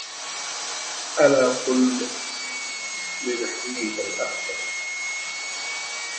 ألا قل لنحويك الأخفش